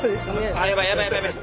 あやばいやばいやばいやばい。